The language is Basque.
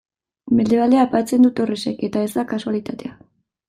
Mendebaldea aipatzen du Torresek, eta ez da kasualitatea.